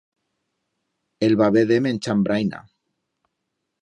El va veder menchand braina.